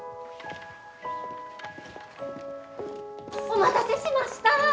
お待たせしました！